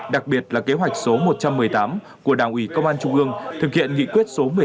đặc biệt là kế hoạch số một trăm một mươi tám của đảng ủy công an trung ương thực hiện nghị quyết số một mươi hai